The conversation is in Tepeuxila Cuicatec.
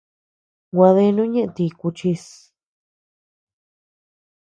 Gua deanu ñeʼe ti kuchis.